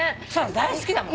大好きだもん。